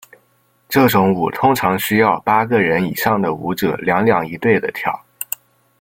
这种舞通常需要八个人以上的舞者两两一对地跳。